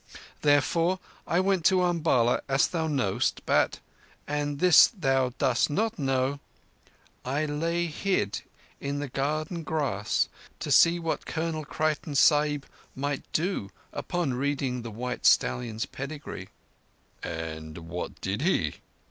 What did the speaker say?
Therefore I went to Umballa, as thou knowest, but (and this thou dost not know) I lay hid in the garden grass to see what Colonel Creighton Sahib might do upon reading the white stallion's pedigree." "And what did he?"